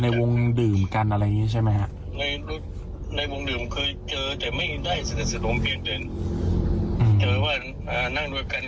เหมือนรู้จักพลีบหนังเมื่อนั้นนะครับผม